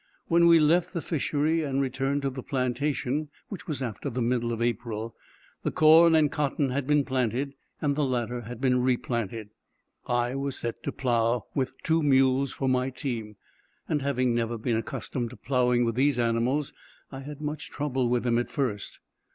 When we left the fishery and returned to the plantation, which was after the middle of April, the corn and cotton had been planted, and the latter had been replanted. I was set to plough, with two mules for my team; and having never been accustomed to ploughing with these animals, I had much trouble with them at first.